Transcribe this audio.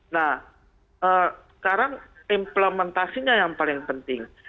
nah sekarang implementasinya yang paling penting